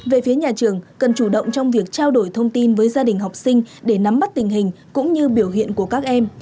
về phía nhà trường cần chủ động trong việc trao đổi thông tin với gia đình học sinh để nắm bắt tình hình cũng như biểu hiện của các em